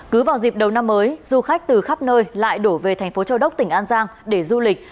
cứ vào dịp đầu năm mới du khách từ khắp nơi lại đổ về thành phố châu đốc tỉnh an giang để du lịch